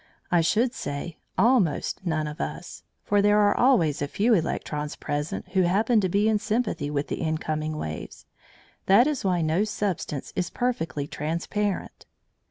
I should say almost none of us, for there are always a few electrons present who happen to be in sympathy with the incoming waves. That is why no substance is perfectly transparent.